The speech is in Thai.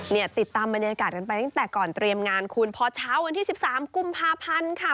เนี่ยติดตามบรรยากาศกันไปตั้งแต่ก่อนเตรียมงานคุณพอเช้าวันที่๑๓กุมภาพันธ์ค่ะ